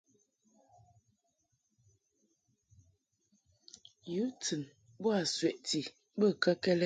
Yu tɨn boa sweʼti bə kəkɛd ?